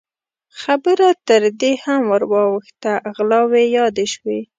خبره تر دې هم ور واوښته، غلاوې يادې شوې.